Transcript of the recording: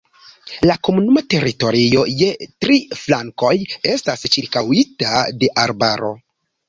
La komunuma teritorio je tri flankoj estas ĉirkaŭita de arbaro.